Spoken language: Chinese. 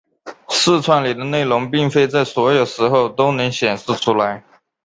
视窗里的内容并非在所有时候都能显示出来。